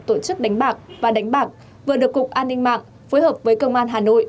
tổ chức đánh bạc và đánh bạc vừa được cục an ninh mạng phối hợp với công an hà nội